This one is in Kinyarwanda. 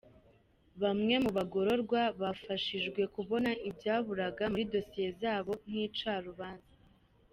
Bamwe mu bagororwa bafashijwe kubona ibyaburaga muri dosiye zabo nk’icarubanza.